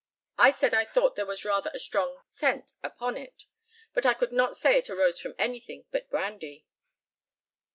I said I thought there was rather a strong scent upon it, but I could not say it arose from anything but brandy.